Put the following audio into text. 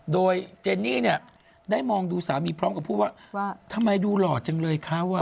โดยเจนนี่เนี่ยได้มองดูสามีพร้อมกับพูดว่าทำไมดูหล่อจังเลยคะ